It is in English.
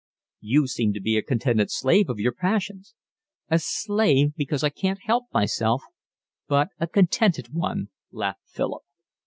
"You seem to be a contented slave of your passions." "A slave because I can't help myself, but not a contented one," laughed Philip.